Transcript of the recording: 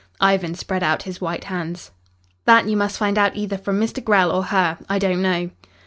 Ivan spread out his white hands. "That you must find out either from Mr. Grell or her. I don't know."